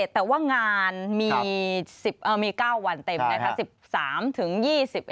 ๑๖๑๗แต่ว่างานมี๙วันเต็มนะครับ